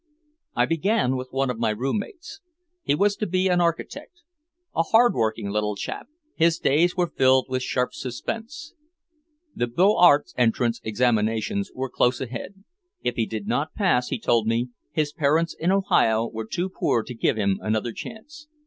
I began with one of my roommates. He was to be an architect. A hard working little chap, his days were filled with sharp suspense. The Beaux Arts entrance examinations were close ahead. If he did not pass, he told me, his parents in Ohio were too poor to give him another chance.